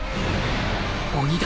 鬼だ！